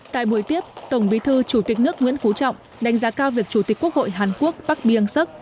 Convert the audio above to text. tại buổi tiếp tổng bí thư chủ tịch nước nguyễn phú trọng đánh giá cao việc chủ tịch quốc hội hàn quốc bắc biêng sắc